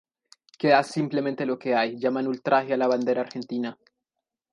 Queda simplemente lo que ahí llaman ultraje á la bandera Argentina.